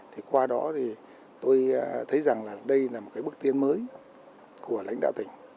thì qua đó thì tôi thấy rằng là đây là một cái bước tiến mới của lãnh đạo tỉnh